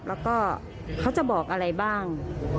แล้วก็เขาจะบอกอะไรบ้าง